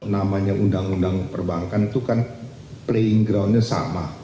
namanya undang undang perbankan itu kan playing groundnya sama